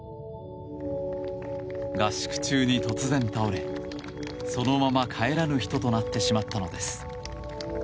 合宿中に突然、倒れそのまま帰らぬ人となってしまったのです。